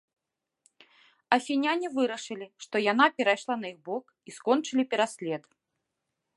Афіняне вырашылі, што яна перайшла на іх бок, і скончылі пераслед.